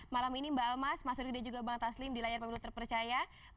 malam ini mbak almas mas ruky dan juga bang taslim di layar pemilu terpercaya